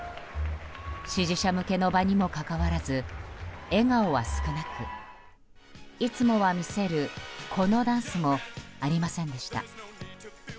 支持者向けの場にもかかわらず笑顔は少なくいつもは見せる、このダンスもありませんでした。